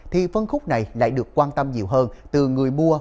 thì phân khúc này lại được quan tâm nhiều hơn từ người mua